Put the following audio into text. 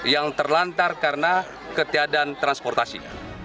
yang terlantar karena ketiadaan transportasi